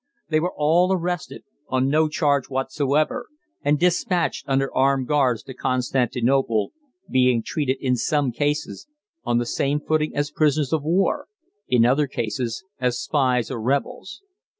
They were all arrested, on no charge whatsoever, and dispatched under armed guards to Constantinople, being treated, in some cases, on the same footing as prisoners of war in other cases as spies or rebels.